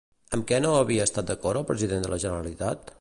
Amb què no havia estat d'acord el president de la Generalitat?